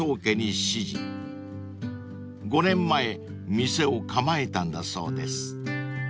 ［５年前店を構えたんだそうです］